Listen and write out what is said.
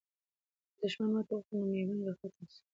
که دښمن ماته وخوري، نو میوند به فتح سي.